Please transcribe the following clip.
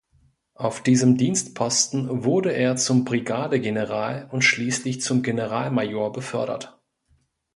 Auf diesem Dienstposten wurde er zum Brigadegeneral und schließlich zum Generalmajor befördert.